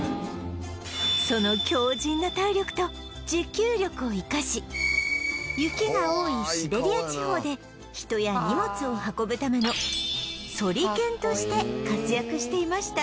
その強靱な体力と持久力を生かし雪が多いシベリア地方で人や荷物を運ぶためのソリ犬として活躍していました